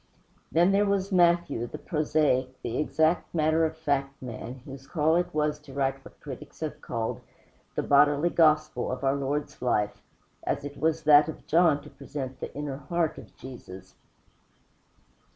Then there was Matthew, the prosaic, the exact matter of fact man, whose call it was to write what critics have called the bodily gospel of our Lord's life, as it was that of John to present the inner heart of Jesus.